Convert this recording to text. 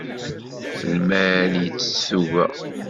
Lmal yettett tuga.